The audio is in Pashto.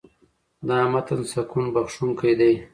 دا متن سکون بښونکی دی.